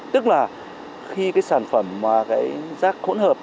tức là khi sản phẩm rác hỗn hợp